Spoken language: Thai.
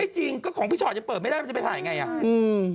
ไม่จริงก็ของพี่ชอตยังเปิดไม่ได้มันจะไปถ่ายอย่างไร